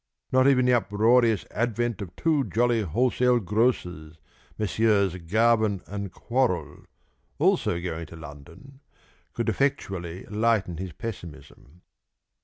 Not even the uproarious advent of two jolly wholesale grocers, Messieurs Garvin and Quorrall, also going to London, could effectually lighten his pessimism.